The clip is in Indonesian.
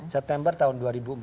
september tahun dua ribu empat